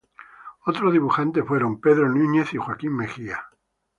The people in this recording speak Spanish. Otros dibujantes fueron Pedro Núñez y Joaquín Mejía.